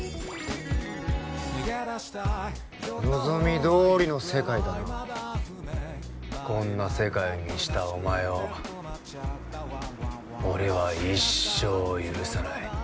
望みどおりの世界だなこんな世界にしたお前を俺は一生許さない